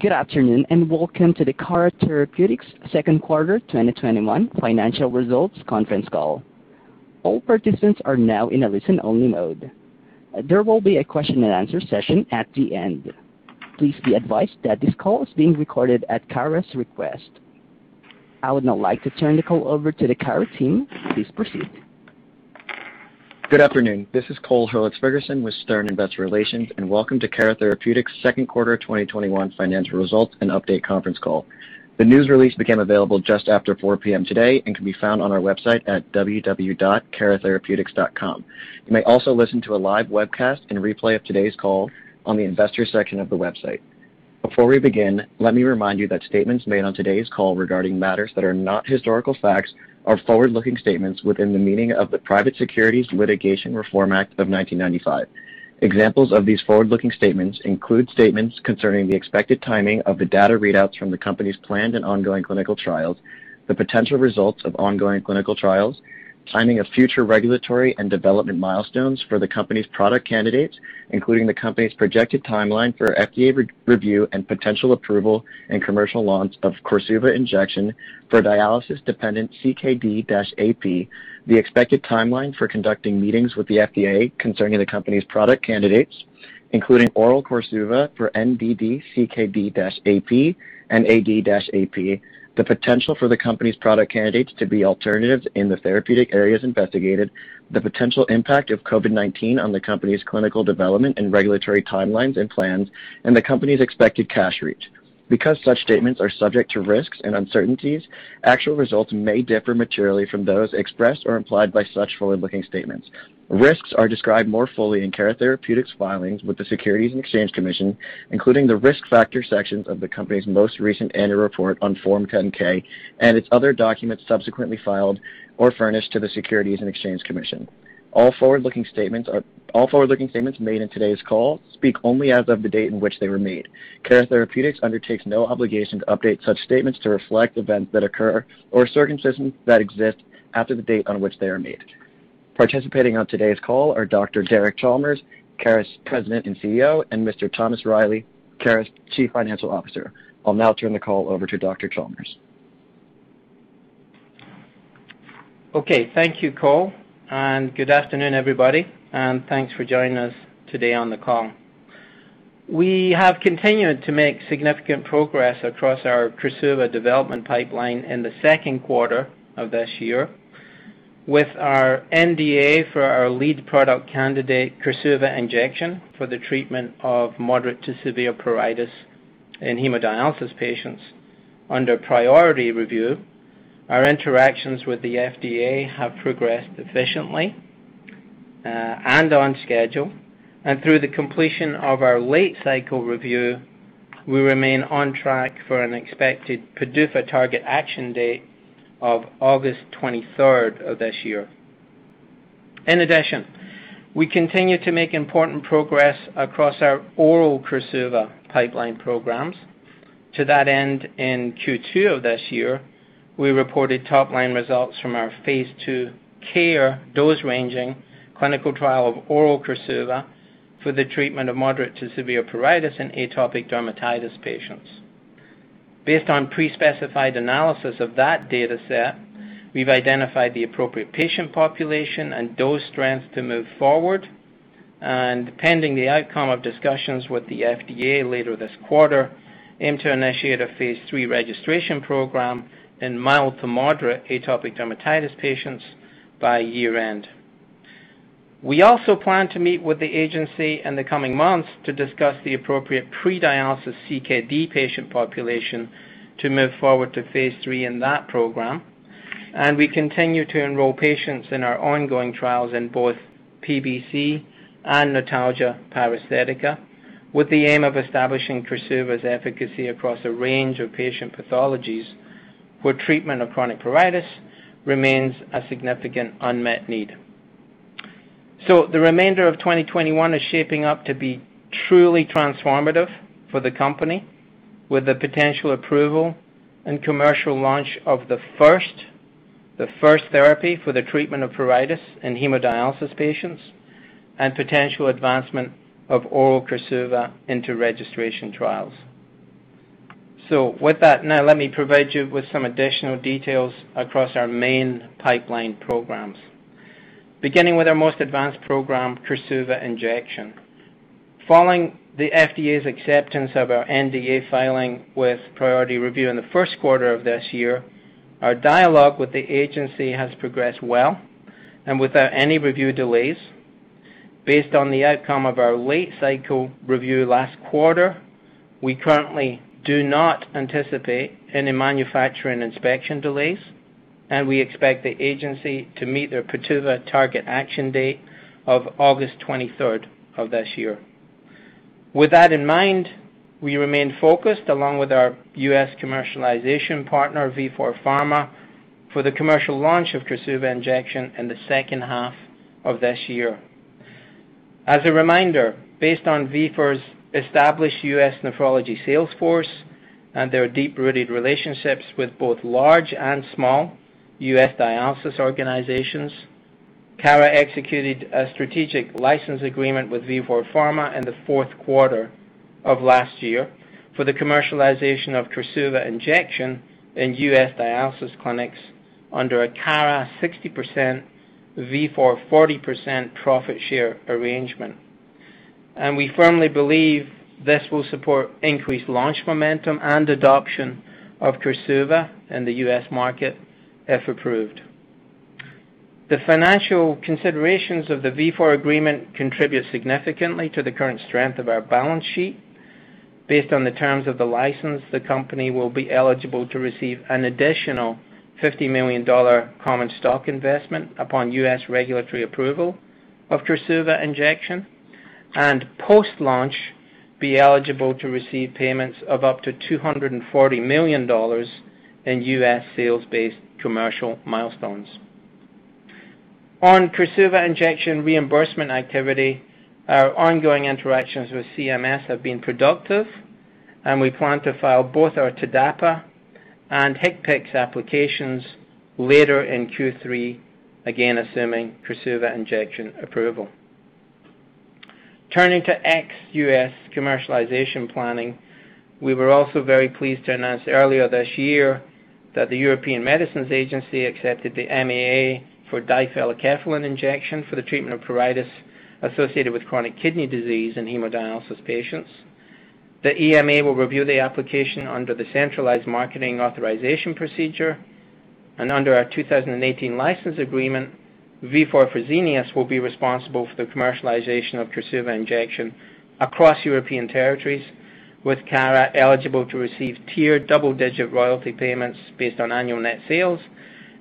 Good afternoon, and welcome to the Cara Therapeutics Second Quarter 2021 Financial Results Conference Call. All participants are now in a listen-only mode. There will be a question and answer session at the end. Please be advised that this call is being recorded at Cara's request. I would now like to turn the call over to the Cara team. Please proceed. Good afternoon. This is Cole Herlitz-Ferguson with Stern Investor Relations, welcome to Cara Therapeutics second quarter 2021 financial results and update conference call. The news release became available just after 4:00 P.M. today and can be found on our website at www.caratherapeutics.com. You may also listen to a live webcast and replay of today's call on the investor section of the website. Before we begin, let me remind you that statements made on today's call regarding matters that are not historical facts are forward-looking statements within the meaning of the Private Securities Litigation Reform Act of 1995. Examples of these forward-looking statements include statements concerning the expected timing of the data readouts from the company's planned and ongoing clinical trials, the potential results of ongoing clinical trials, timing of future regulatory and development milestones for the company's product candidates, including the company's projected timeline for FDA review and potential approval and commercial launch of KORSUVA injection for dialysis-dependent CKD-AP, the expected timeline for conducting meetings with the FDA concerning the company's product candidates, including oral KORSUVA for NDD, CKD-AP, and AD-AP, the potential for the company's product candidates to be alternatives in the therapeutic areas investigated, the potential impact of COVID-19 on the company's clinical development and regulatory timelines and plans, and the company's expected cash reach. Because such statements are subject to risks and uncertainties, actual results may differ materially from those expressed or implied by such forward-looking statements. Risks are described more fully in Cara Therapeutics' filings with the Securities and Exchange Commission, including the Risk Factor sections of the company's most recent annual report on Form 10-K and its other documents subsequently filed or furnished to the Securities and Exchange Commission. All forward-looking statements made in today's call speak only as of the date in which they were made. Cara Therapeutics undertakes no obligation to update such statements to reflect events that occur or circumstances that exist after the date on which they are made. Participating on today's call are Dr. Derek Chalmers, Cara's President and CEO, and Mr. Thomas Reilly, Cara's Chief Financial Officer. I'll now turn the call over to Dr. Chalmers. Okay. Thank you, Cole. Good afternoon, everybody. Thanks for joining us today on the call. We have continued to make significant progress across our KORSUVA development pipeline in the second quarter of this year with our NDA for our lead product candidate, KORSUVA injection, for the treatment of moderate to severe pruritus in hemodialysis patients. Under priority review, our interactions with the FDA have progressed efficiently, on schedule. Through the completion of our late cycle review, we remain on track for an expected PDUFA target action date of August 23rd of this year. In addition, we continue to make important progress across our oral KORSUVA pipeline programs. To that end, in Q2 of this year, we reported top-line results from our phase II KARE dose-ranging clinical trial of oral KORSUVA for the treatment of moderate to severe pruritus in atopic dermatitis patients. Based on pre-specified analysis of that data set, we've identified the appropriate patient population and dose trends to move forward and, pending the outcome of discussions with the FDA later this quarter, aim to initiate a phase III registration program in mild to moderate atopic dermatitis patients by year-end. We also plan to meet with the agency in the coming months to discuss the appropriate pre-dialysis CKD patient population to move forward to phase III in that program, and we continue to enroll patients in our ongoing trials in both PBC and notalgia paresthetica with the aim of establishing KORSUVA's efficacy across a range of patient pathologies where treatment of chronic pruritus remains a significant unmet need. The remainder of 2021 is shaping up to be truly transformative for the company with the potential approval and commercial launch of the 1st therapy for the treatment of pruritus in hemodialysis patients and potential advancement of oral KORSUVA into registration trials. With that, now let me provide you with some additional details across our main pipeline programs. Beginning with our most advanced program, KORSUVA injection. Following the FDA's acceptance of our NDA filing with priority review in the first quarter of this year, our dialogue with the agency has progressed well and without any review delays. Based on the outcome of our late-cycle review last quarter, we currently do not anticipate any manufacturing inspection delays, and we expect the agency to meet their PDUFA target action date of August 23rd of this year. With that in mind, we remain focused, along with our US commercialization partner, Vifor Pharma, for the commercial launch of KORSUVA injection in the second half of this year. As a reminder, based on Vifor's established US nephrology sales force and their deep-rooted relationships with both large and small US dialysis organizations, Cara executed a strategic license agreement with Vifor Pharma in the fourth quarter of last year for the commercialization of KORSUVA injection in US dialysis clinics under a Cara 60%, Vifor 40% profit share arrangement. We firmly believe this will support increased launch momentum and adoption of KORSUVA in the US market, if approved. The financial considerations of the Vifor agreement contribute significantly to the current strength of our balance sheet. Based on the terms of the license, the company will be eligible to receive an additional $50 million common stock investment upon US regulatory approval of KORSUVA injection, and post-launch, be eligible to receive payments of up to $240 million in US sales-based commercial milestones. On KORSUVA injection reimbursement activity, our ongoing interactions with CMS have been productive, and we plan to file both our TDAPA and HCPCS applications later in Q3, again, assuming KORSUVA injection approval. Turning to ex-US commercialization planning. We were also very pleased to announce earlier this year that the European Medicines Agency accepted the MAA for difelikefalin injection for the treatment of pruritus associated with chronic kidney disease in hemodialysis patients. The EMA will review the application under the centralized marketing authorization procedure. Under our 2018 license agreement, Vifor Fresenius will be responsible for the commercialization of KORSUVA injection across European territories, with Cara eligible to receive tiered double-digit royalty payments based on annual net sales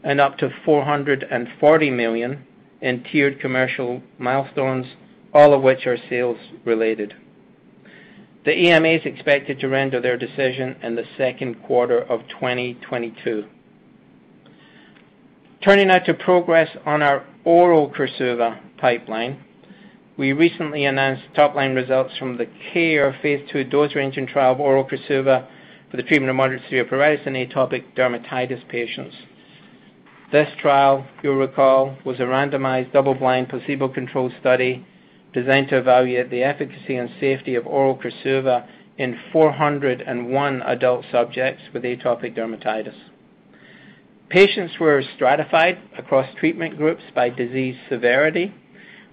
and up to $440 million in tiered commercial milestones, all of which are sales related. The EMA is expected to render their decision in the second quarter of 2022. Turning now to progress on our oral KORSUVA pipeline. We recently announced top-line results from the KARE Phase II dose-ranging trial of oral KORSUVA for the treatment of moderate-severe pruritus in atopic dermatitis patients. This trial, you'll recall, was a randomized, double-blind, placebo-controlled study designed to evaluate the efficacy and safety of oral KORSUVA in 401 adult subjects with atopic dermatitis. Patients were stratified across treatment groups by disease severity,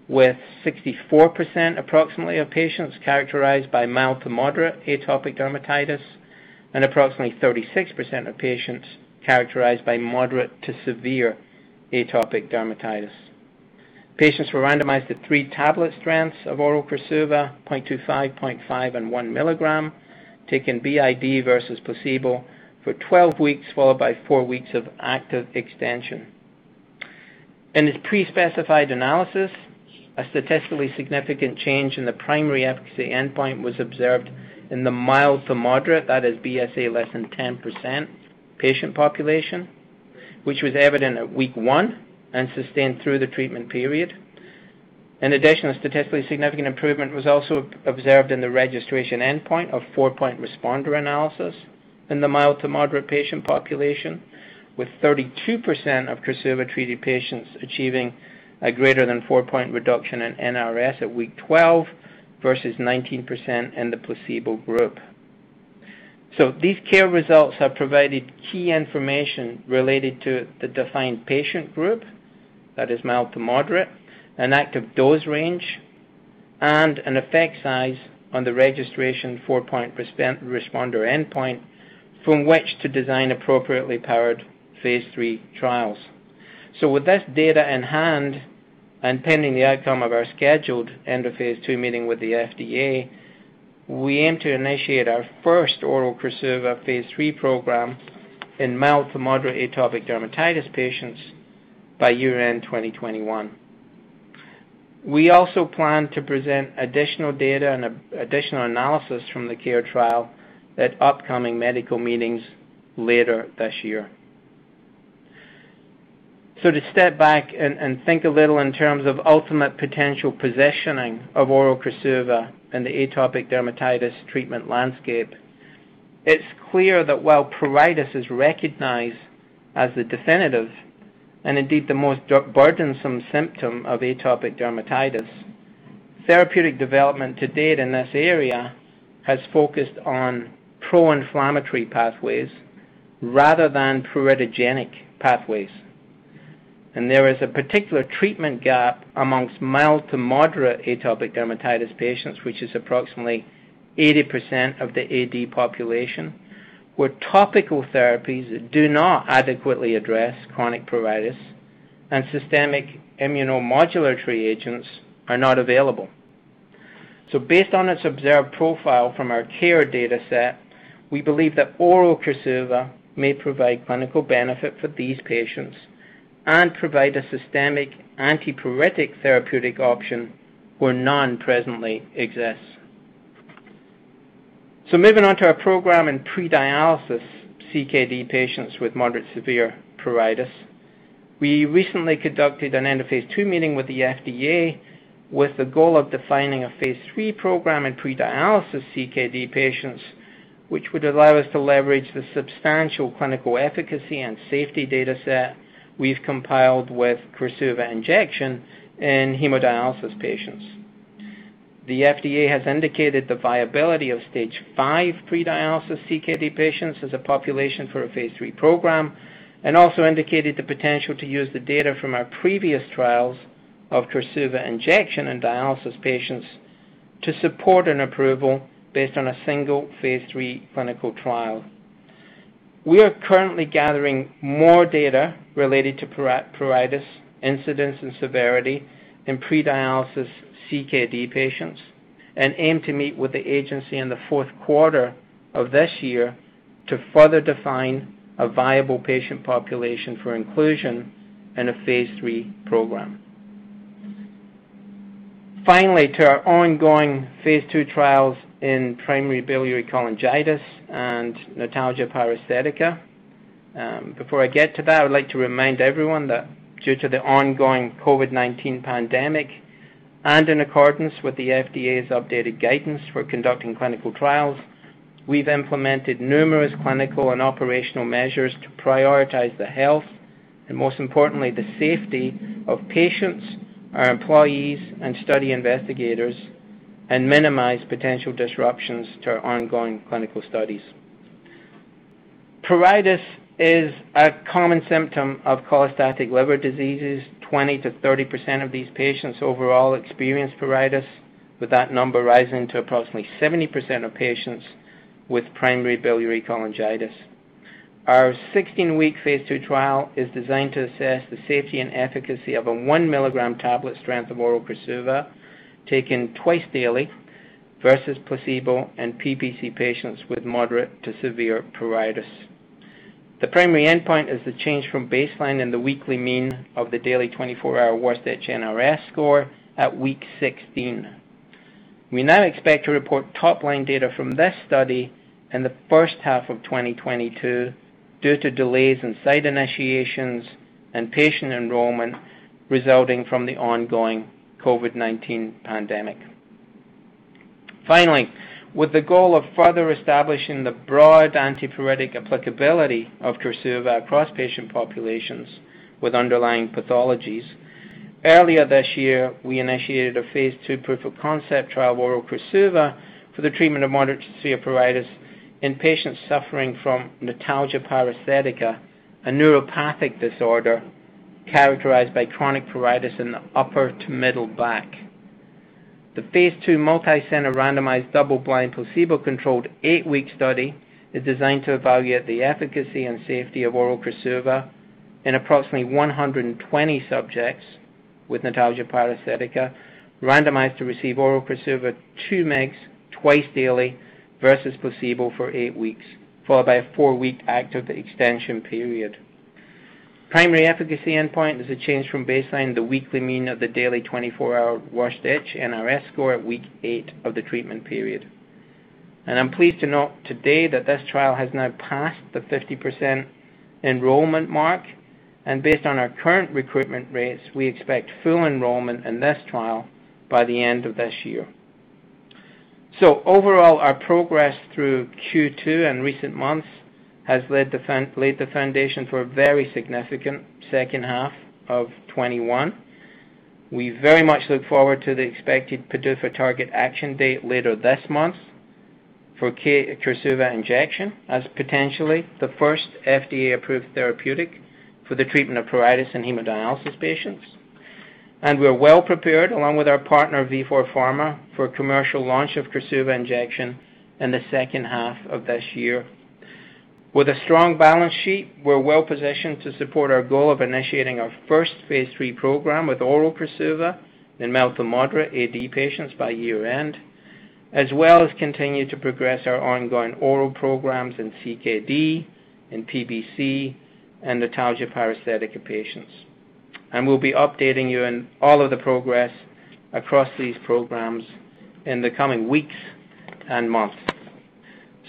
with 64%, approximately, of patients characterized by mild to moderate atopic dermatitis, and approximately 36% of patients characterized by moderate to severe atopic dermatitis. Patients were randomized to three tablet strengths of oral KORSUVA, 0.25 mg, 0.5 mg, and 1 mg, taken BID versus placebo for 12 weeks, followed by four weeks of active extension. In its pre-specified analysis, a statistically significant change in the primary efficacy endpoint was observed in the mild to moderate, that is BSA less than 10% patient population, which was evident at week one and sustained through the treatment period. In addition, a statistically significant improvement was also observed in the registration endpoint of 4-point responder analysis in the mild to moderate patient population, with 32% of KORSUVA-treated patients achieving a greater than 4-point reduction in NRS at week 12 versus 19% in the placebo group. These KARE results have provided key information related to the defined patient group, that is mild to moderate, an active dose range, and an effect size on the registration 4-point responder endpoint from which to design appropriately powered phase III trials. With this data in hand, and pending the outcome of our scheduled end of phase II meeting with the FDA, we aim to initiate our first oral KORSUVA phase III program in mild to moderate atopic dermatitis patients by year-end 2021. We also plan to present additional data and additional analysis from the KARE trial at upcoming medical meetings later this year. To step back and think a little in terms of ultimate potential positioning of oral KORSUVA in the atopic dermatitis treatment landscape, it is clear that while pruritus is recognized as the definitive and indeed the most burdensome symptom of atopic dermatitis, therapeutic development to date in this area has focused on pro-inflammatory pathways rather than pruritogenic pathways. There is a particular treatment gap amongst mild to moderate atopic dermatitis patients, which is approximately 80% of the AD population, where topical therapies do not adequately address chronic pruritus and systemic immunomodulatory agents are not available. Based on its observed profile from our KARE dataset, we believe that oral KORSUVA may provide clinical benefit for these patients and provide a systemic antipruritic therapeutic option where none presently exists. Moving on to our program in pre-dialysis CKD patients with moderate severe pruritus. We recently conducted an end of phase II meeting with the FDA with the goal of defining a phase III program in pre-dialysis CKD patientsWhich would allow us to leverage the substantial clinical efficacy and safety data set we've compiled with KORSUVA injection in hemodialysis patients. The FDA has indicated the viability of stage 5 pre-dialysis CKD patients as a population for a phase III program, and also indicated the potential to use the data from our previous trials of KORSUVA injection in dialysis patients to support an approval based on a single phase III clinical trial. We are currently gathering more data related to pruritus, incidence, and severity in pre-dialysis CKD patients, and aim to meet with the agency in the fourth quarter of this year to further define a viable patient population for inclusion in a phase III program. To our ongoing phase II trials in primary biliary cholangitis and notalgia paresthetica. Before I get to that, I would like to remind everyone that due to the ongoing COVID-19 pandemic, and in accordance with the FDA's updated guidance for conducting clinical trials, we've implemented numerous clinical and operational measures to prioritize the health, and most importantly, the safety of patients, our employees, and study investigators, and minimize potential disruptions to our ongoing clinical studies. Pruritus is a common symptom of cholestatic liver diseases. 20%-30% of these patients overall experience pruritus, with that number rising to approximately 70% of patients with primary biliary cholangitis. Our 16-week phase II trial is designed to assess the safety and efficacy of a 1mg tablet strength of oral KORSUVA taken twice daily versus placebo in PBC patients with moderate to severe pruritus. The primary endpoint is the change from baseline in the weekly mean of the daily 24-hour worst itch NRS score at week 16. We now expect to report top-line data from this study in the first half of 2022 due to delays in site initiations and patient enrollment resulting from the ongoing COVID-19 pandemic. Finally, with the goal of further establishing the broad antipruritic applicability of difelikefalin across patient populations with underlying pathologies, earlier this year, we initiated a phase II proof of concept trial of oral difelikefalin for the treatment of moderate to severe pruritus in patients suffering from notalgia paresthetica, a neuropathic disorder characterized by chronic pruritus in the upper to middle back. The phase II multi-center randomized double-blind placebo-controlled eight-week study is designed to evaluate the efficacy and safety of oral KORSUVA in approximately 120 subjects with notalgia paresthetica randomized to receive oral KORSUVA 2mgs twice daily versus placebo for eight weeks, followed by a four-week active extension period. Primary efficacy endpoint is a change from baseline the weekly mean of the daily 24-hour worst itch NRS score at week eight of the treatment period. I'm pleased to note today that this trial has now passed the 50% enrollment mark, and based on our current recruitment rates, we expect full enrollment in this trial by the end of this year. Overall, our progress through Q2 and recent months has laid the foundation for a very significant second half of 2021. We very much look forward to the expected PDUFA target action date later this month for KORSUVA injection as potentially the first FDA-approved therapeutic for the treatment of pruritus in hemodialysis patients. We're well prepared, along with our partner Vifor Pharma, for commercial launch of KORSUVA injection in the second half of this year. With a strong balance sheet, we're well-positioned to support our goal of initiating our first phase III program with oral KORSUVA in mild to moderate AD patients by year-end, as well as continue to progress our ongoing oral programs in CKD, in PBC, and notalgia paresthetica patients. We'll be updating you on all of the progress across these programs in the coming weeks and months.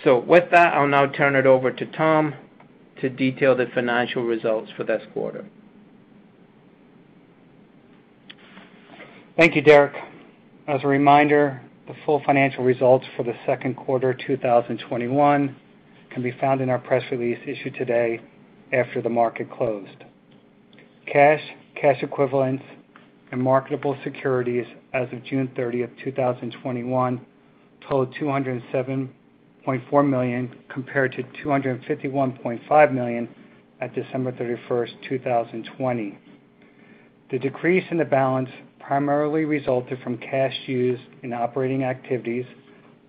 With that, I'll now turn it over to Thom to detail the financial results for this quarter. Thank you, Derek. As a reminder, the full financial results for the second quarter 2021 can be found in our press release issued today after the market closed. Cash, cash equivalents, and marketable securities as of June 30, 2021 totaled $207.4 million compared to $251.5 million at December 31st, 2020. The decrease in the balance primarily resulted from cash used in operating activities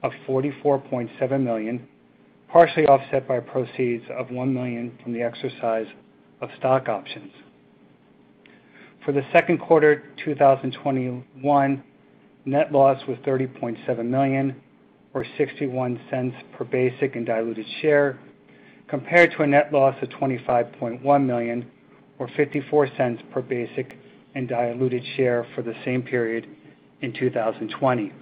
of $44.7 million, partially offset by proceeds of $1 million from the exercise of stock options. For the second quarter 2021, net loss was $30.7 million, or $0.61 per basic and diluted share, compared to a net loss of $25.1 million, or $0.54 per basic and diluted share for the same period in 2020.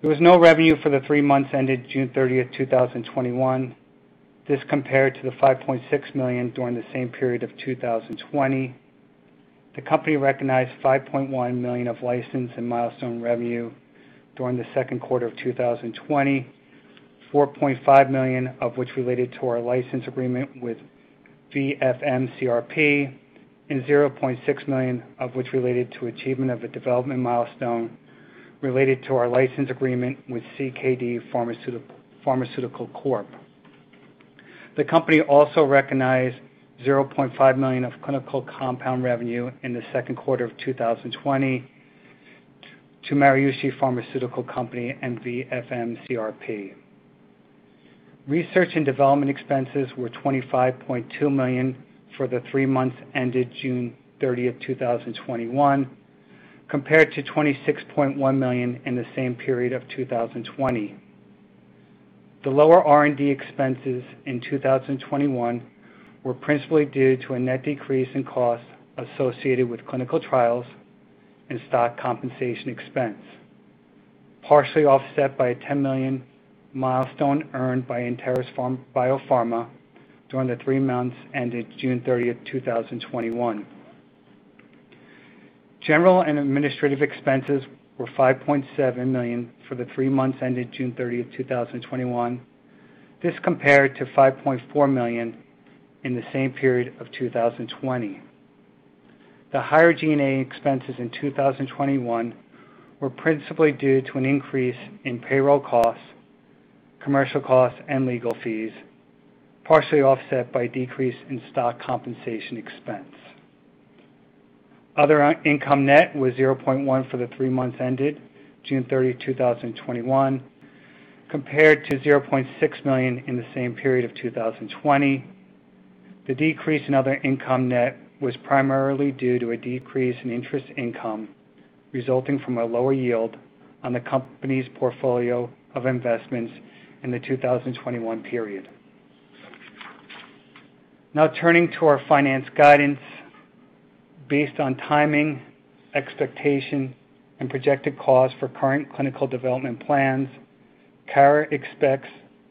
There was no revenue for the three months ended June 30, 2021. This compared to the $5.6 million during the same period of 2020. The company recognized $5.1 million of license and milestone revenue during the second quarter of 2020, $4.5 million of which related to our license agreement with VFMCRP, and $0.6 million of which related to achievement of a development milestone related to our license agreement with CKD Pharmaceutical Corp. The company also recognized $0.5 million of clinical compound revenue in the second quarter of 2020 to Maruishi Pharmaceutical Co., Ltd. and VFMCRP. Research and development expenses were $25.2 million for the three months ended June 30th, 2021, compared to $26.1 million in the same period of 2020. The lower R&D expenses in 2021 were principally due to a net decrease in costs associated with clinical trials and stock compensation expense, partially offset by a $10 million milestone earned by Enteris BioPharma during the three months ended June 30th, 2021. General and administrative expenses were $5.7 million for the three months ended June 30th, 2021. This compared to $5.4 million in the same period of 2020. The higher G&A expenses in 2021 were principally due to an increase in payroll costs, commercial costs, and legal fees, partially offset by decrease in stock compensation expense. Other income net was $0.1 for the three months ended June 30th, 2021, compared to $0.6 million in the same period of 2020. The decrease in other income net was primarily due to a decrease in interest income resulting from a lower yield on the company's portfolio of investments in the 2021 period. Now, turning to our finance guidance. Based on timing, expectation, and projected cause for current clinical development plans, Cara expects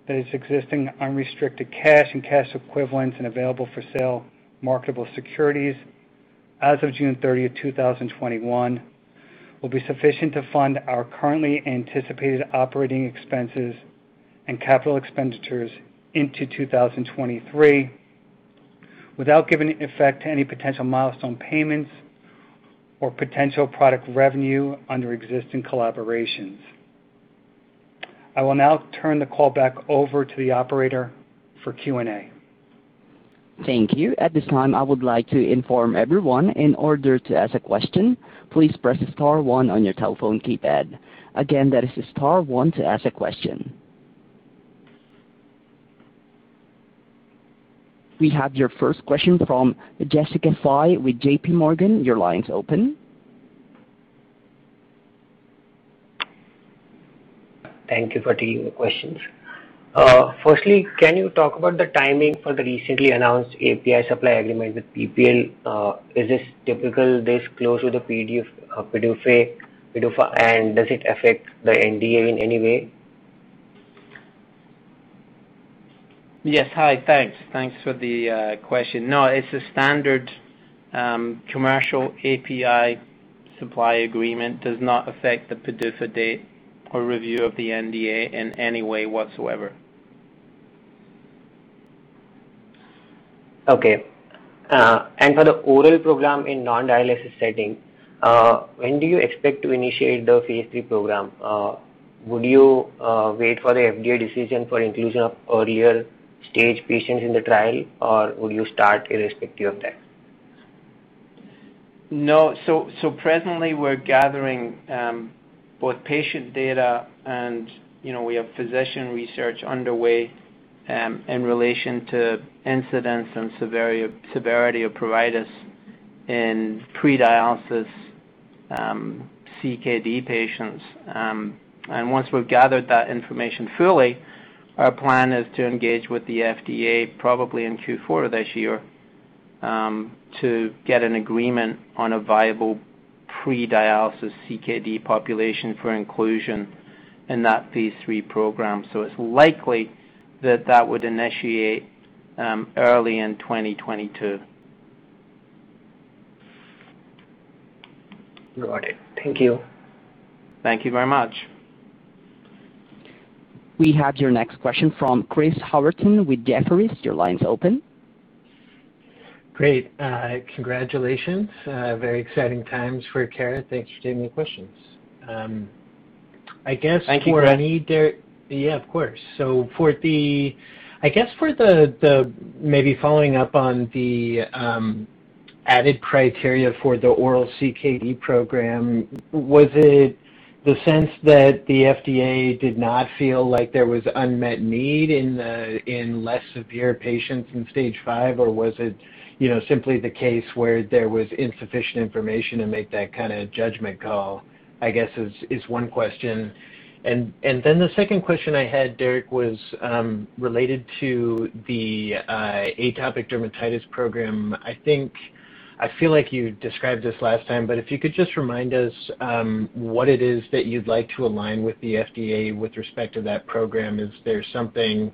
that its existing unrestricted cash and cash equivalents and available for sale marketable securities as of June 30th, 2021, will be sufficient to fund our currently anticipated operating expenses and capital expenditures into 2023 without giving effect to any potential milestone payments or potential product revenue under existing collaborations. I will now turn the call back over to the operator for Q&A. Thank you. At this time, I would like to inform everyone in order to ask a question, please press star one on your telephone keypad. Again, that is star one to ask a question. We have your first question from Jessica Fye with JP Morgan. Your line's open. Thank you for taking the questions. Firstly, can you talk about the timing for the recently announced API supply agreement with PPL? Is this typical this close to the PDUFA? Does it affect the NDA in any way? Yes. Hi. Thanks. Thanks for the question. No, it's a standard commercial API supply agreement. Does not affect the PDUFA date or review of the NDA in any way whatsoever. Okay. For the oral program in non-dialysis setting, when do you expect to initiate the phase III program? Would you wait for the FDA decision for inclusion of earlier stage patients in the trial or will you start irrespective of that? No. Presently we're gathering both patient data and we have physician research underway in relation to incidence and severity of pruritus in pre-dialysis CKD patients. Once we've gathered that information fully, our plan is to engage with the FDA probably in Q4 of this year, to get an agreement on a viable pre-dialysis CKD population for inclusion in that phase III program. It's likely that that would initiate early in 2022. Got it. Thank you. Thank you very much. We have your next question from Chris Howerton with Jefferies. Your line's open. Great. Congratulations. Very exciting times for Cara. Thanks for taking the questions. Thank you, Chris. Yeah, of course. I guess for the maybe following up on the added criteria for the oral CKD program, was it the sense that the FDA did not feel like there was unmet need in less severe patients in stage 5? Or was it simply the case where there was insufficient information to make that kind of judgment call, I guess, is one question. The second question I had, Derek, was related to the atopic dermatitis program. I feel like you described this last time, but if you could just remind us what it is that you'd like to align with the FDA with respect to that program. Is there something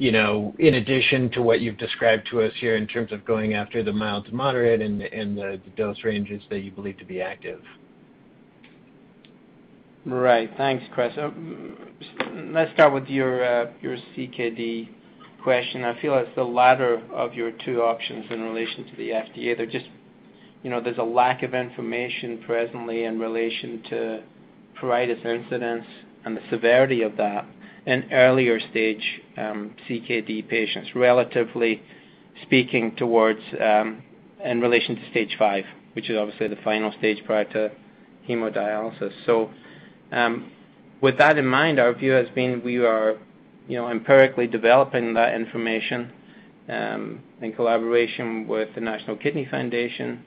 in addition to what you've described to us here in terms of going after the mild to moderate and the dose ranges that you believe to be active? Right. Thanks, Chris. Let's start with your CKD question. I feel it's the latter of your two options in relation to the FDA. There's a lack of information presently in relation to pruritus incidence and the severity of that in earlier stage CKD patients, relatively speaking, in relation to stage 5, which is obviously the final stage prior to hemodialysis. With that in mind, our view has been we are empirically developing that information, in collaboration with the National Kidney Foundation.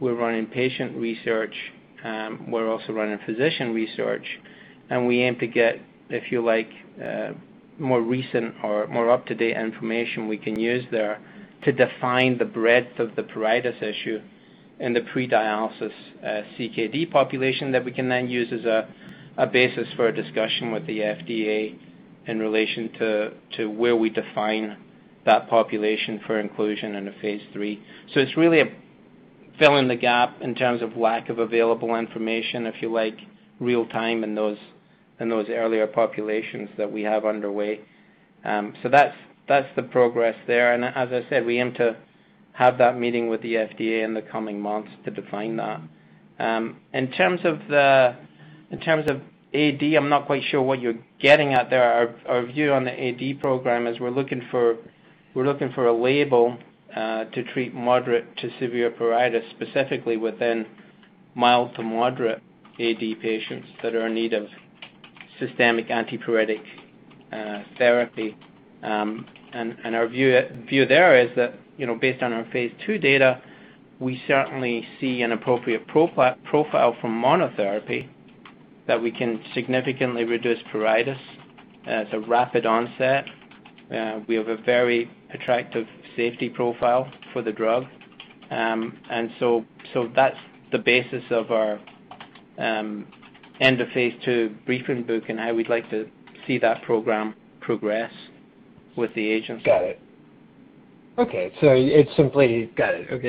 We're running patient research. We're also running physician research, and we aim to get, if you like, more recent or more up-to-date information we can use there to define the breadth of the pruritus issue in the pre-dialysis CKD population that we can then use as a basis for a discussion with the FDA in relation to where we define that population for inclusion in a phase III. It's really a fill in the gap in terms of lack of available information, if you like, real-time in those earlier populations that we have underway. That's the progress there. As I said, we aim to have that meeting with the FDA in the coming months to define that. In terms of AD, I'm not quite sure what you're getting at there. Our view on the AD program is we're looking for a label to treat moderate to severe pruritus, specifically within mild to moderate AD patients that are in need of systemic antipruritic therapy. Our view there is that, based on our phase II data, we certainly see an appropriate profile for monotherapy that we can significantly reduce pruritus. It's a rapid onset. We have a very attractive safety profile for the drug. That's the basis of our end of phase II briefing book, and how we'd like to see that program progress with the agency. Got it. Okay. It's simply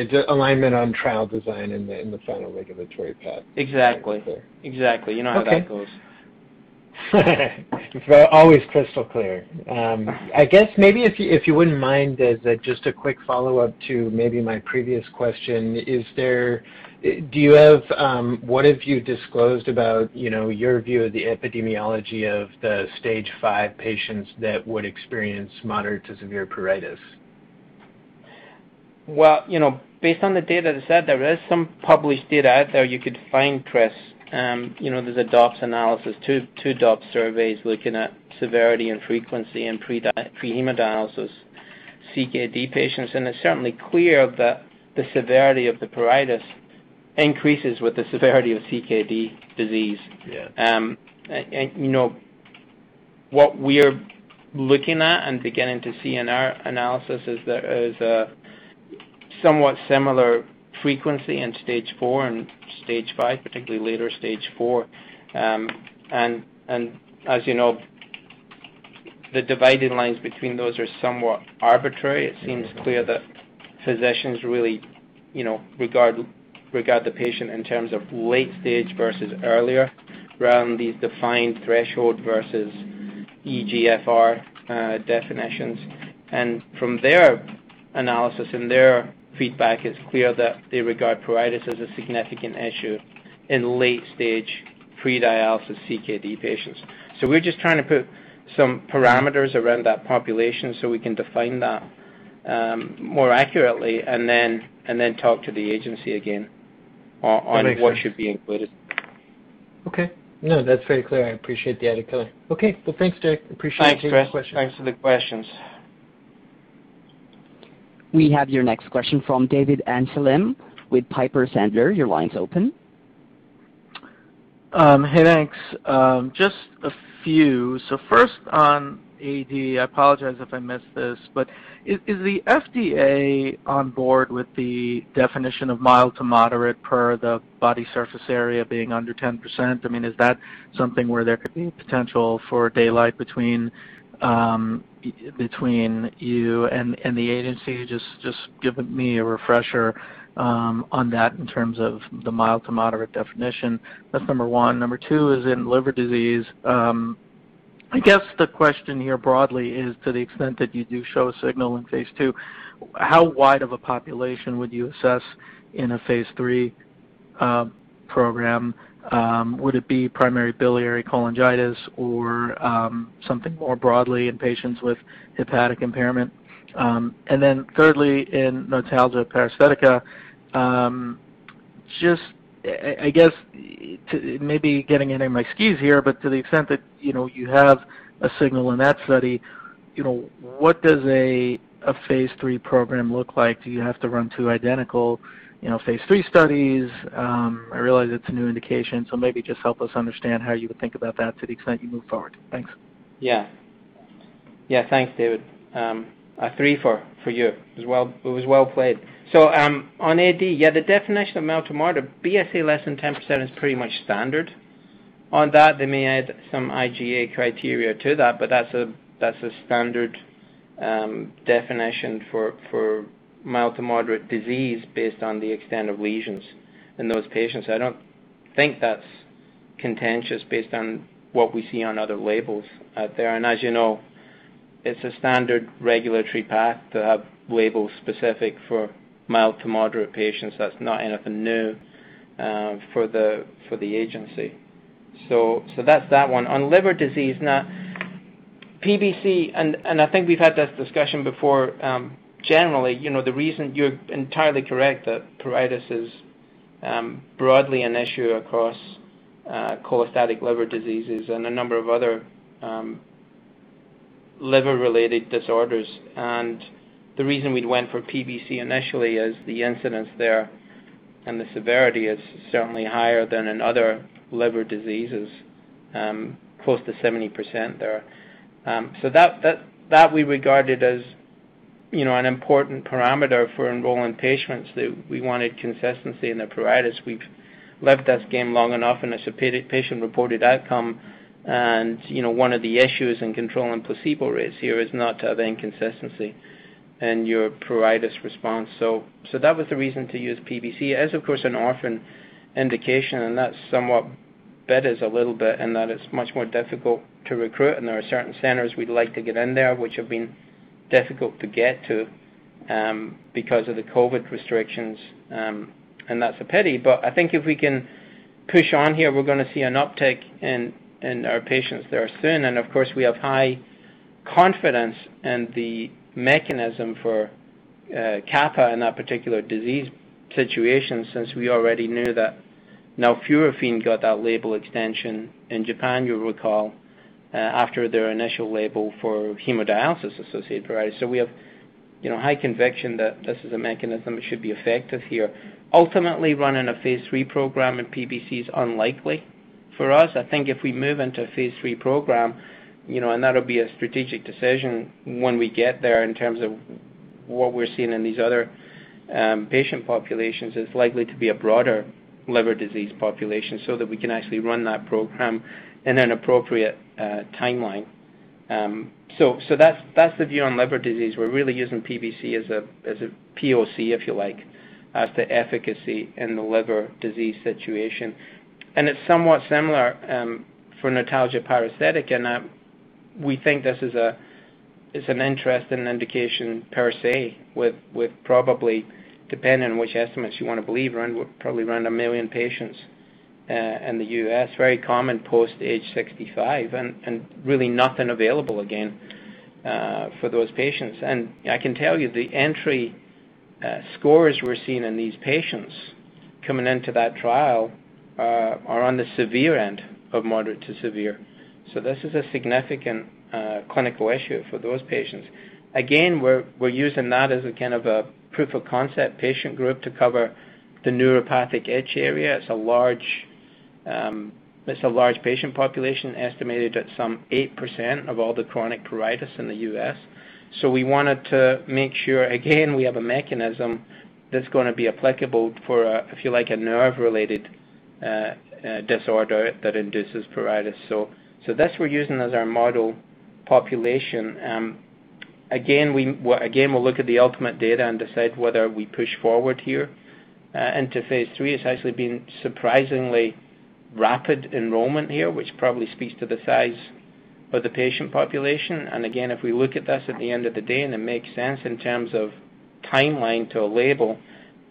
just alignment on trial design in the final regulatory path. Exactly. Okay, clear. Exactly. You know how that goes. It's always crystal clear. I guess, maybe if you wouldn't mind, as just a quick follow-up to maybe my previous question, what have you disclosed about your view of the epidemiology of the stage 5 patients that would experience moderate to severe pruritus? Well, based on the data that's out there is some published data out there you could find, Chris. There's a DOPPS analysis, two DOPPS surveys looking at severity and frequency in pre-hemodialysis CKD patients. It's certainly clear that the severity of the pruritus increases with the severity of CKD disease. Yeah. What we're looking at and beginning to see in our analysis is a somewhat similar frequency in stage 4 and stage 5, particularly later stage 4. As you know, the dividing lines between those are somewhat arbitrary. It seems clear that physicians really regard the patient in terms of late stage versus earlier around these defined threshold versus eGFR definitions. From their analysis and their feedback, it's clear that they regard pruritus as a significant issue in late-stage, pre-dialysis CKD patients. We're just trying to put some parameters around that population so we can define that more accurately and then talk to the agency again on what should be included. Okay. No, that's very clear. I appreciate the added color. Okay. Well, thanks, Derek. Appreciate it. Thanks for the questions. Thanks, Chris. Thanks for the questions. We have your next question from David Amsellem with Piper Sandler. Your line's open. Hey, thanks. Just a few. First on AD, I apologize if I missed this, is the FDA on board with the definition of mild to moderate per the body surface area being under 10%? Is that something where there could be potential for daylight between you and the agency? Just giving me a refresher on that in terms of the mild to moderate definition. That's number 1. Number 2 is in liver disease. The question here broadly is to the extent that you do show a signal in phase II, how wide of a population would you assess in a phase III program? Would it be primary biliary cholangitis or something more broadly in patients with hepatic impairment? Thirdly, in notalgia paresthetica, I guess, maybe getting into my skis here, but to the extent that you have a signal in that study, what does a phase III program look like? Do you have to run two identical phase III studies? I realize it's a new indication, so maybe just help us understand how you would think about that to the extent you move forward. Thanks. Thanks, David. A 3 for you. It was well played. On AD, yeah, the definition of mild to moderate, BSA less than 10% is pretty much standard. On that, they may add some IGA criteria to that, but that's a standard definition for mild to moderate disease based on the extent of lesions in those patients. I don't think that's contentious based on what we see on other labels out there. As you know, it's a standard regulatory path to have labels specific for mild to moderate patients. That's not anything new for the agency. That's that one. On liver disease, now PBC, I think we've had this discussion before. Generally, you're entirely correct that pruritus is broadly an issue across cholestatic liver diseases and a number of other liver-related disorders. The reason we'd went for PBC initially is the incidence there, and the severity is certainly higher than in other liver diseases, close to 70% there. That we regarded as an important parameter for enrolling patients, that we wanted consistency in the pruritus. We've lived this game long enough, and it's a patient-reported outcome. One of the issues in controlling placebo risk here is not to have inconsistency in your pruritus response. That was the reason to use PBC as, of course, an orphan indication, and that somewhat betters a little bit in that it's much more difficult to recruit. There are certain centers we'd like to get in there which have been difficult to get to because of the COVID-19 restrictions, and that's a pity. I think if we can push on here, we're going to see an uptick in our patients there soon. Of course, we have high confidence in the mechanism for kappa in that particular disease situation, since we already knew that nalfurafine got that label extension in Japan, you'll recall, after their initial label for hemodialysis-associated pruritus. We have high conviction that this is a mechanism that should be effective here. Ultimately, running a phase III program in PBC is unlikely for us. I think if we move into a phase III program, and that'll be a strategic decision when we get there in terms of what we're seeing in these other patient populations, it's likely to be a broader liver disease population so that we can actually run that program in an appropriate timeline. That's the view on liver disease. We're really using PBC as a POC, if you like, as to efficacy in the liver disease situation. It's somewhat similar for notalgia paresthetica in that we think this is an interesting indication per se, with probably, depending on which estimates you want to believe, around probably around a million patients in the U.S. Very common post age 65, and really nothing available again for those patients. I can tell you, the entry scores we're seeing in these patients coming into that trial are on the severe end of moderate to severe. This is a significant clinical issue for those patients. Again, we're using that as a proof of concept patient group to cover the neuropathic itch area. It's a large patient population, estimated at some 8% of all the chronic pruritus in the U.S. We wanted to make sure, again, we have a mechanism that's going to be applicable for, if you like, a nerve-related disorder that induces pruritus. That's what we're using as our model population. Again, we'll look at the ultimate data and decide whether we push forward here into phase III. It's actually been surprisingly rapid enrollment here, which probably speaks to the size of the patient population. Again, if we look at this at the end of the day and it makes sense in terms of timeline to a label,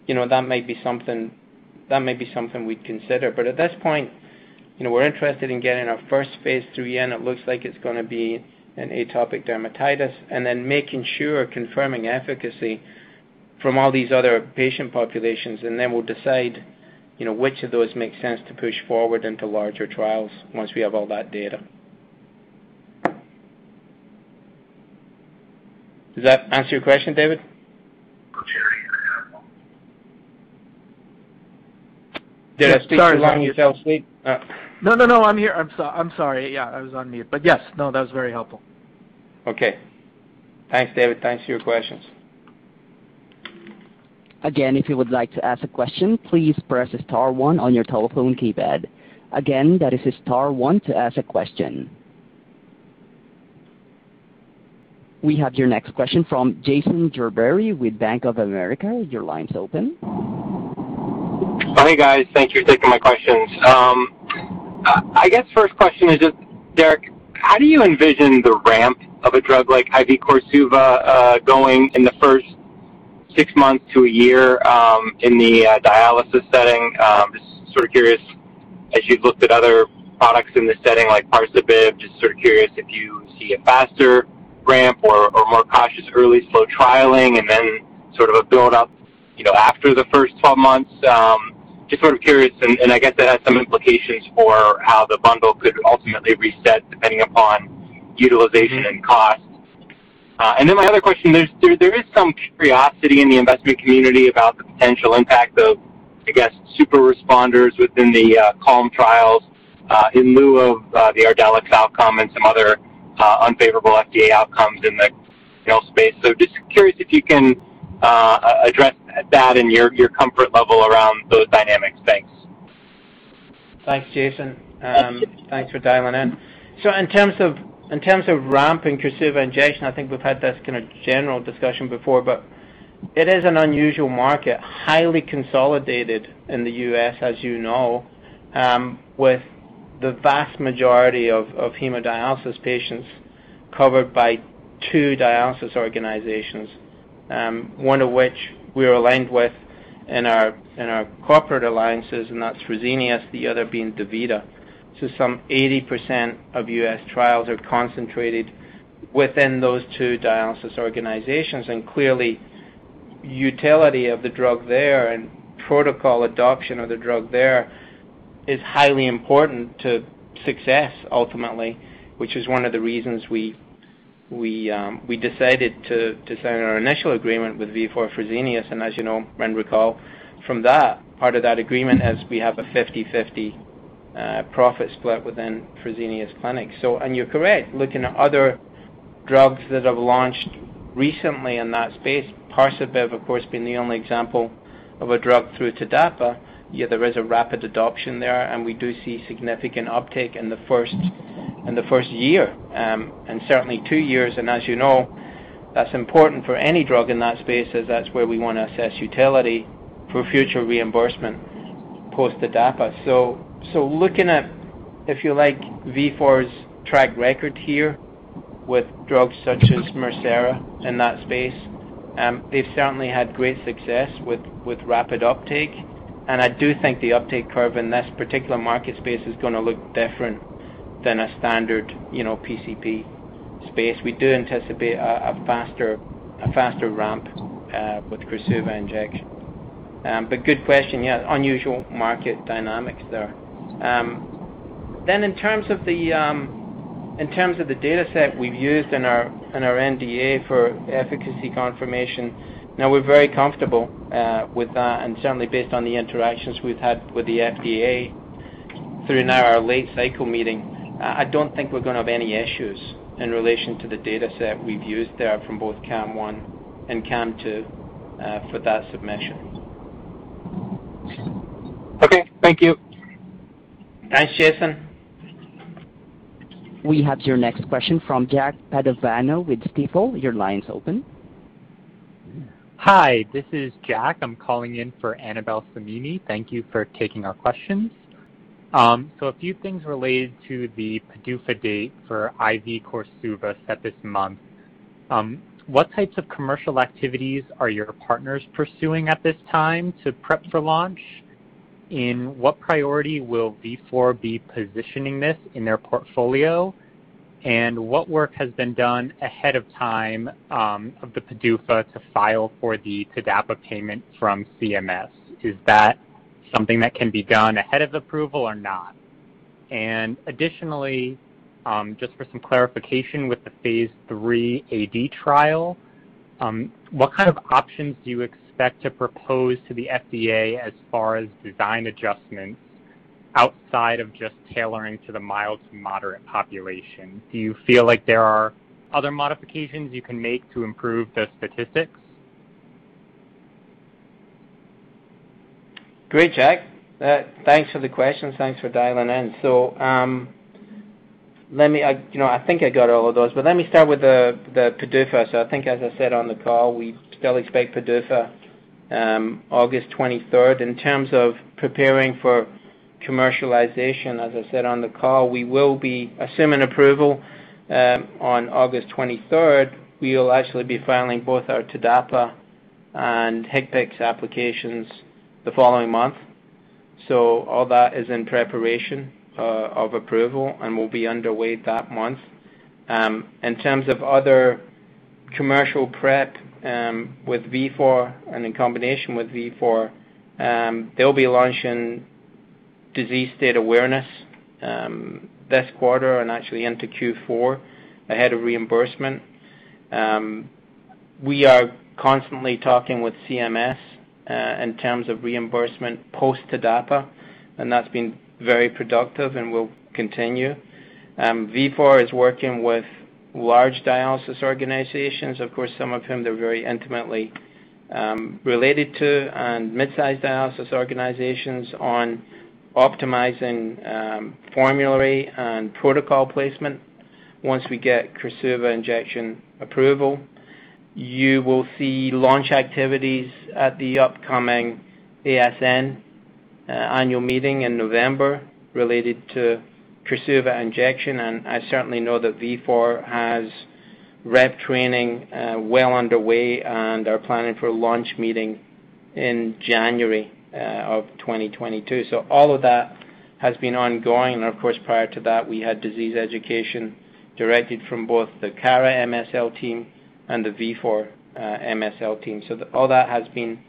that might be something we'd consider. At this point, we're interested in getting our first phase III in. It looks like it's going to be in atopic dermatitis, making sure, confirming efficacy from all these other patient populations. Then we'll decide which of those make sense to push forward into larger trials once we have all that data. Does that answer your question, David? Sure. Did I speak too long and you fell asleep? I'm here. I'm sorry. Yeah, I was on mute. Yes. That was very helpful. Okay. Thanks, David. Thanks for your questions. Again, if you would like to ask a question, please press star one on your telephone keypad. Again, that is star one to ask a question. We have your next question from Jason Gerberry with Bank of America. Your line's open. Hi, guys. Thank you for taking my questions. I guess first question is just, Derek, how do you envision the ramp of a drug like IV KORSUVA going in the first six months to a year in the dialysis setting? Just sort of curious, as you've looked at other products in this setting, like PARSABIV, just sort of curious if you see a faster ramp or more cautious early slow trialing and then sort of a build-up after the first 12 months. Just sort of curious, I guess that has some implications for how the bundle could ultimately reset depending upon utilization and cost. My other question, there is some curiosity in the investment community about the potential impact of, I guess, super responders within the KALM trials in lieu of the Ardelyx outcome and some other unfavorable FDA outcomes in the space. Just curious if you can address that and your comfort level around those dynamics. Thanks. Thanks, Jason. Thanks for dialing in. In terms of ramping KORSUVA injection, I think we've had this general discussion before, but it is an unusual market, highly consolidated in the U.S., as you know, with the vast majority of hemodialysis patients covered by two dialysis organizations, one of which we are aligned with in our corporate alliances, and that's Fresenius, the other being DaVita. Some 80% of US trials are concentrated within those two dialysis organizations. Clearly, utility of the drug there and protocol adoption of the drug there is highly important to success ultimately, which is one of the reasons we decided to sign our initial agreement with Vifor Fresenius. As you know and recall from that, part of that agreement is we have a 50/50 profit split within Fresenius Clinic. You're correct, looking at other drugs that have launched recently in that space, PARSABIV, of course, being the only example of a drug through TDAPA, yet there is a rapid adoption there, and we do see significant uptake in the first year, and certainly two years. As you know, that's important for any drug in that space as that's where we want to assess utility for future reimbursement post TDAPA. Looking at, if you like, Vifor's track record here with drugs such as Mircera in that space, they've certainly had great success with rapid uptake, and I do think the uptake curve in this particular market space is going to look different than a standard PCP space. We do anticipate a faster ramp with KORSUVA injection. Good question. Yeah, unusual market dynamics there. In terms of the dataset we've used in our NDA for efficacy confirmation, now we're very comfortable with that, and certainly based on the interactions we've had with the FDA through now our late cycle meeting, I don't think we're going to have any issues in relation to the dataset we've used there from both KALM-1 and KALM-2 for that submission. Okay. Thank you. Thanks, Jason. We have your next question from Jack Padovano with Stifel. Your line's open. Hi, this is Jack. I'm calling in for Annabel Samimy. Thank you for taking our questions. A few things related to the PDUFA date for IV KORSUVA set this month. What types of commercial activities are your partners pursuing at this time to prep for launch? In what priority will Vifor be positioning this in their portfolio? What work has been done ahead of time of the PDUFA to file for the TDAPA payment from CMS? Is that something that can be done ahead of approval or not? Additionally, just for some clarification with the phase III AD trial, what kind of options do you expect to propose to the FDA as far as design adjustments outside of just tailoring to the mild to moderate population? Do you feel like there are other modifications you can make to improve the statistics? Great, Jack. Thanks for the questions. Thanks for dialing in. I think I got all of those, but let me start with the PDUFA. In terms of preparing for commercialization, as I said on the call, we will be assuming approval on August 23rd. We will actually be filing both our TDAPA and HCPCS applications the following month. All that is in preparation of approval and will be underway that month. In terms of other commercial prep with Vifor and in combination with Vifor, they'll be launching disease state awareness this quarter and actually into Q4 ahead of reimbursement. We are constantly talking with CMS in terms of reimbursement post TDAPA. That's been very productive and will continue. Vifor is working with large dialysis organizations, of course, some of whom they're very intimately related to, and mid-size dialysis organizations on optimizing formulary and protocol placement once we get KORSUVA injection approval. You will see launch activities at the upcoming ASN annual meeting in November related to KORSUVA injection. I certainly know that Vifor has rep training well underway and are planning for a launch meeting in January of 2022. All of that has been ongoing. Of course, prior to that, we had disease education directed from both the Cara MSL team and the Vifor MSL team. All that has been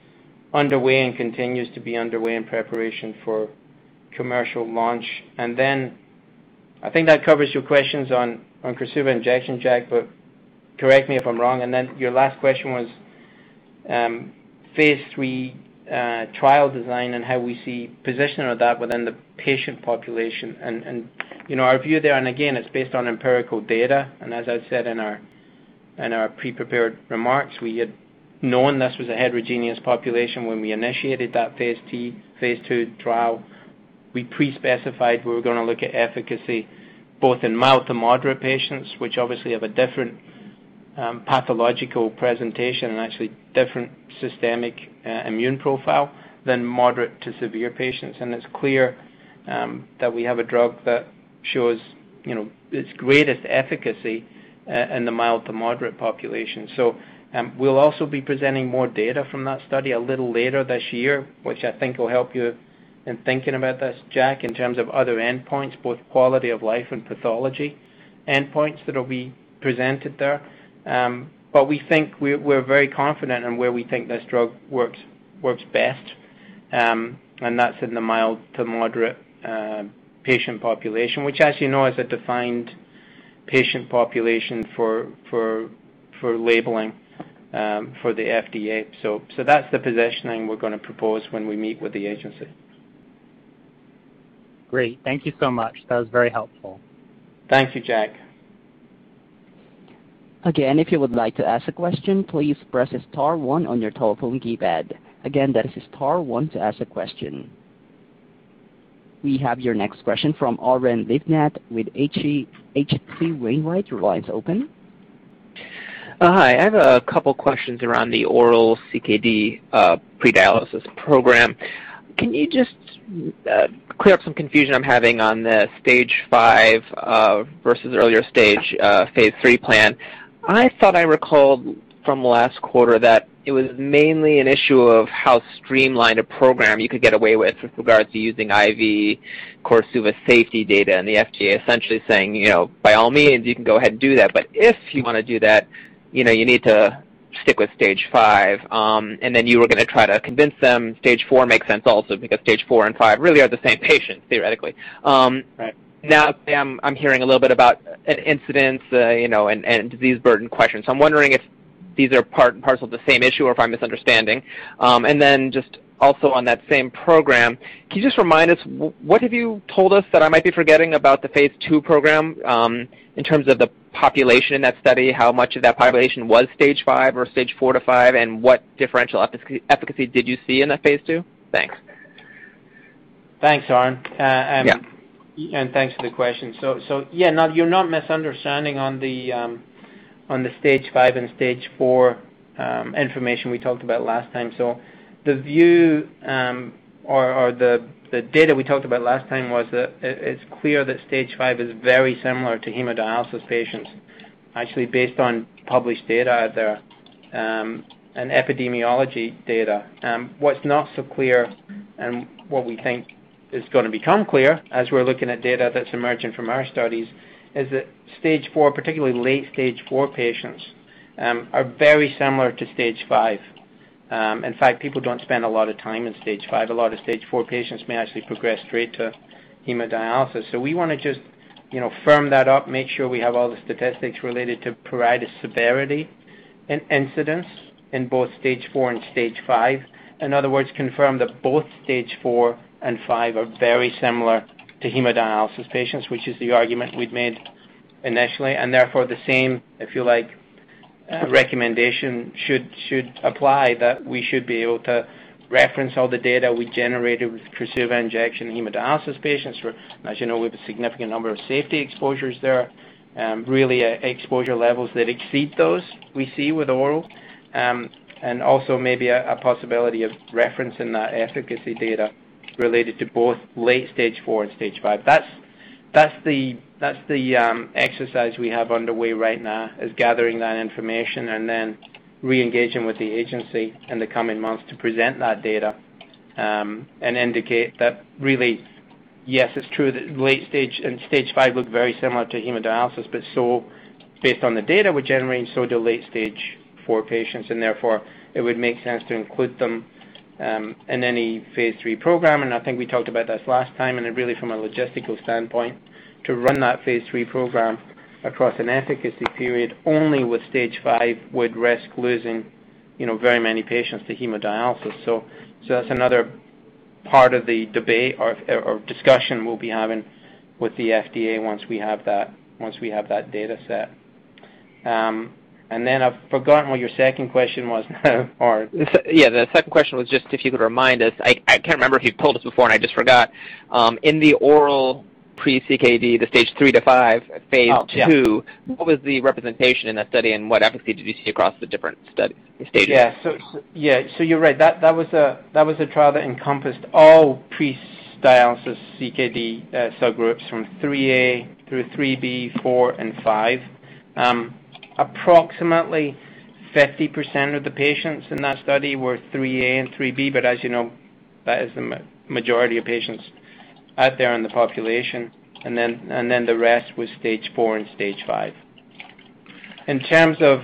underway and continues to be underway in preparation for commercial launch. I think that covers your questions on KORSUVA injection, Jack, but correct me if I'm wrong. Your last question was phase III trial design and how we see positioning of that within the patient population. Our view there, and again, it's based on empirical data, and as I've said in our pre-prepared remarks, we had known this was a heterogeneous population when we initiated that phase II trial. We pre-specified we were going to look at efficacy both in mild to moderate patients, which obviously have a different pathological presentation and actually different systemic immune profile than moderate to severe patients. It's clear that we have a drug that shows its greatest efficacy in the mild to moderate population. We'll also be presenting more data from that study a little later this year, which I think will help you in thinking about this, Jack, in terms of other endpoints, both quality of life and pathology endpoints that will be presented there. We're very confident in where we think this drug works best, and that's in the mild to moderate patient population, which as you know, is a defined patient population for labeling for the FDA. That's the positioning we're going to propose when we meet with the agency. Great. Thank you so much. That was very helpful. Thank you, Jack. Again, if you would like to ask a question, please press star one on your telephone keypad. Again, that is star one to ask a question. We have your next question from Oren Livnat with H.C. Wainwright. Your line's open. Hi, I have a couple questions around the oral CKD pre-dialysis program. Can you just clear up some confusion I'm having on the stage 5 versus earlier stage, phase III plan? I thought I recalled from last quarter that it was mainly an issue of how streamlined a program you could get away with regards to using IV KORSUVA safety data and the FDA essentially saying, "By all means, you can go ahead and do that, but if you want to do that, you need to stick with stage 5." You were going to try to convince them stage 4 makes sense also, because stage 4 and 5 really are the same patient theoretically. Right. I'm hearing a little bit about incidents, and disease burden questions. I'm wondering if these are part and parcel of the same issue or if I'm misunderstanding. Then just also on that same program, can you just remind us, what have you told us that I might be forgetting about the phase II program, in terms of the population in that study, how much of that population was stage 5 or stage 4 to 5, and what differential efficacy did you see in that phase II? Thanks. Thanks, Oren. Yeah. Thanks for the question. Yeah, you're not misunderstanding on the stage 5 and stage 4 information we talked about last time. The view or the data we talked about last time was that it's clear that stage 5 is very similar to hemodialysis patients, actually based on published data out there, and epidemiology data. What's not so clear and what we think is going to become clear as we're looking at data that's emerging from our studies, is that stage 4, particularly late stage 4 patients, are very similar to stage 5. In fact, people don't spend a lot of time in stage 5. A lot of stage 4 patients may actually progress straight to hemodialysis, so we want to just firm that up, make sure we have all the statistics related to pruritus, severity, and incidence in both stage 4 and stage 5. In other words, confirm that both stage 4 and 5 are very similar to hemodialysis patients, which is the argument we've made initially. Therefore the same, if you like, recommendation should apply that we should be able to reference all the data we generated with KORSUVA injection hemodialysis patients. As you know, we have a significant number of safety exposures there, really exposure levels that exceed those we see with oral. Also maybe a possibility of referencing that efficacy data related to both late stage 4 and stage 5. That's the exercise we have underway right now is gathering that information and then re-engaging with the agency in the coming months to present that data, and indicate that really, yes, it's true that late stage and stage 5 look very similar to hemodialysis, but so based on the data we're generating, so do late stage 4 patients, and therefore it would make sense to include them in any phase III program. I think we talked about this last time, and really from a logistical standpoint, to run that phase III program across an efficacy period only with stage 5 would risk losing very many patients to hemodialysis. That's another part of the debate or discussion we'll be having with the FDA once we have that data set. I've forgotten what your second question was, Oren. Yeah, the second question was just if you could remind us, I can't remember if you've told us before and I just forgot. In the oral pre-CKD, the stage 3 to 5 phase II- Oh, yeah. What was the representation in that study, and what efficacy did you see across the different stages? You're right. That was a trial that encompassed all pre-dialysis CKD subgroups from 3A through 3B, 4, and 5. Approximately 50% of the patients in that study were 3A and 3B, as you know, that is the majority of patients out there in the population. The rest was stage 4 and stage 5. In terms of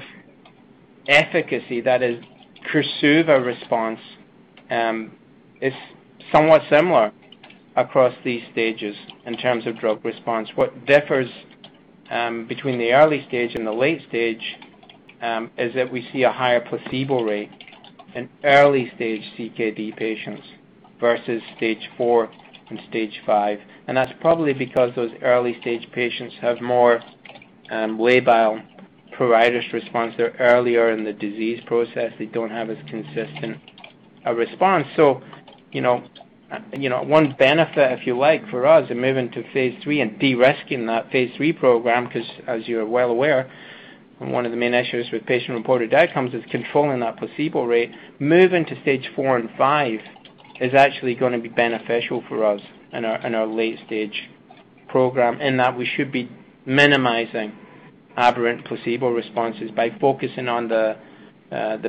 efficacy, that is KORSUVA response, it's somewhat similar across these stages in terms of drug response. What differs between the early stage and the late stage, is that we see a higher placebo rate in early-stage CKD patients versus stage 4 and stage 5. That's probably because those early-stage patients have more labile pruritus response. They're earlier in the disease process. They don't have as consistent a response. One benefit, if you like, for us in moving to phase III and de-risking that phase III program, because as you're well aware, one of the main issues with patient-reported outcomes is controlling that placebo rate. Moving to stage 4 and 5 is actually going to be beneficial for us in our late-stage program, in that we should be minimizing aberrant placebo responses by focusing on the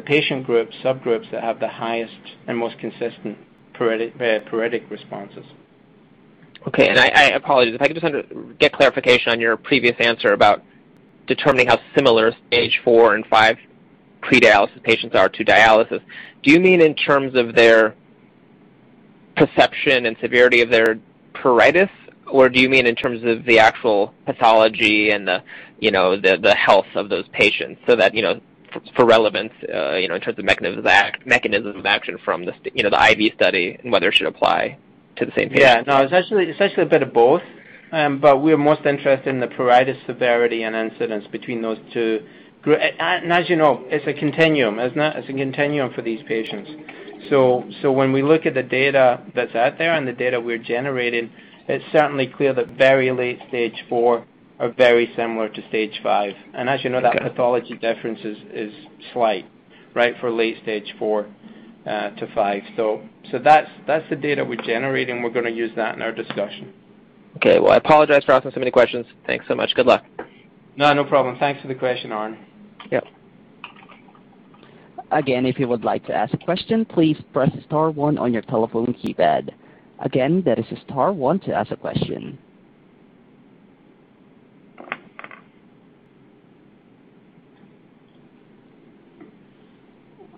patient subgroups that have the highest and most consistent pruritic responses. Okay. I apologize. If I could just get clarification on your previous answer about determining how similar Stage 4 and 5 pre-dialysis patients are to dialysis. Do you mean in terms of their perception and severity of their pruritus, or do you mean in terms of the actual pathology and the health of those patients, so that for relevance, in terms of mechanism of action from the IV study and whether it should apply to the same patient? It's actually a bit of both. We're most interested in the pruritus severity and incidence between those two. As you know, it's a continuum. It's a continuum for these patients. When we look at the data that's out there and the data we're generating, it's certainly clear that very late Stage 4 are very similar to Stage 5. As you know, that pathology difference is slight, right, for late Stage 4 to 5. That's the data we're generating. We're going to use that in our discussion. Okay. Well, I apologize for asking so many questions. Thanks so much. Good luck. No, no problem. Thanks for the question, Oren Livnat. Yep.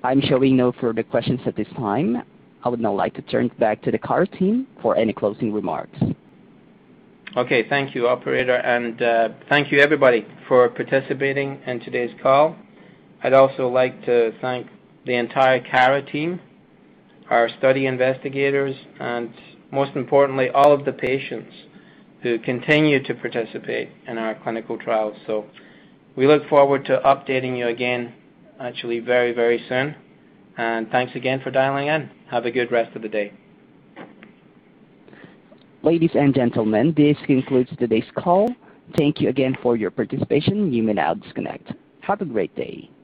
I would now like to turn back to the Cara team for any closing remarks. Okay. Thank you, operator. Thank you, everybody, for participating in today's call. I'd also like to thank the entire Cara team, our study investigators, and most importantly, all of the patients who continue to participate in our clinical trials. We look forward to updating you again, actually, very, very soon. Thanks again for dialing in. Have a good rest of the day. Ladies and gentlemen, this concludes today's call. Thank you again for your participation. You may now disconnect. Have a great day.